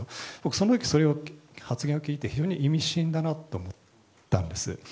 その時、僕その発言を聞いて非常に意味深だなと思ったんですよ。